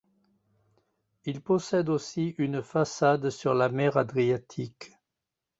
Il possède aussi une façade sur la mer Adriatique.